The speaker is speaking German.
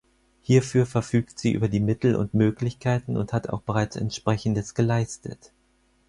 Hierfür verfügt sie über die Mittel und Möglichkeiten und hat auch bereits Entsprechendes geleistet.